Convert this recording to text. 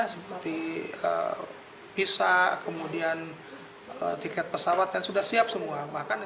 seperti visa kemudian tiket pesawat yang sudah siap semua